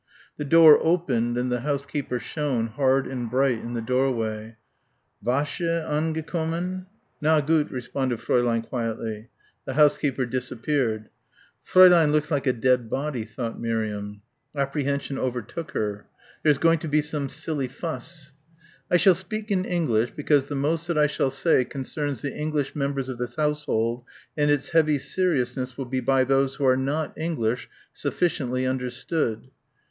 The door opened and the housekeeper shone hard and bright in the doorway. "Wäsche angekommen!" "Na, gut," responded Fräulein quietly. The housekeeper disappeared. "Fräulein looks like a dead body," thought Miriam. Apprehension overtook her ... "there's going to be some silly fuss." "I shall speak in English, because the most that I shall say concerns the English members of this household and its heavy seriousness will be by those who are not English, sufficiently understood."